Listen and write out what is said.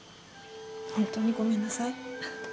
本当にごめんなさい。